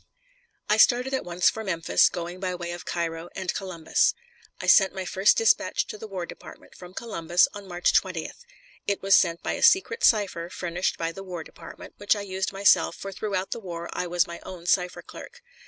I started at once for Memphis, going by way of Cairo and Columbus. I sent my first dispatch to the War Department from Columbus, on March 20th. It was sent by a secret cipher furnished by the War Department, which I used myself, for throughout the war I was my own cipher clerk.